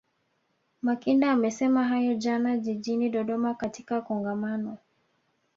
Makinda amesema hayo jana jijini Dodoma katika Kongamano